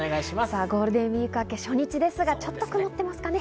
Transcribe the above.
ゴールデンウイーク明け初日ですが、ちょっと曇ってますかね。